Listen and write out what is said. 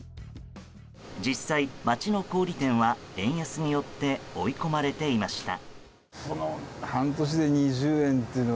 実際、街の小売店は円安によって追い込まれていました。